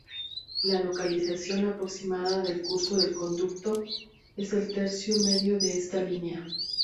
La localización aproximada del curso del conducto es el tercio medio de esta línea.